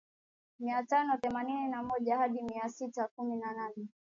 Mia tano themanini na moja hadi mia sita kumi na nane